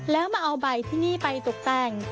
แล้วมาเอาใบที่นี่ไปตกแต่ง